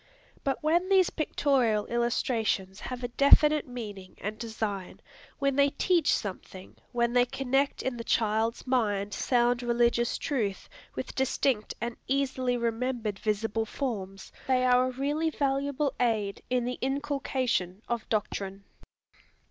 But when these pictorial illustrations have a definite meaning and design, when they teach something, when they connect in the child's mind sound religious truth with distinct and easily remembered visible forms, they are a really valuable aid in the inculcation of doctrine.